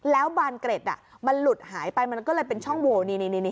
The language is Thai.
แล้วบานเกร็ดมันหลุดหายไปมันก็เลยเป็นช่องโวนี่